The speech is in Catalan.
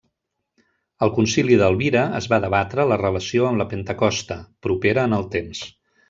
Al Concili d'Elvira es va debatre la relació amb la Pentecosta, propera en el temps.